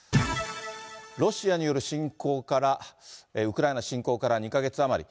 ロシアによるウクライナ侵攻から２か月余り。